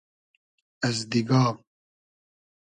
از دیگا